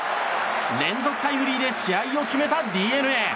連続タイムリーで試合を決めたＤｅＮＡ。